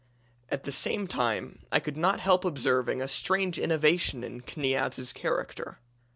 At the same time I could not help observing a strange innovation in Kniaz's character.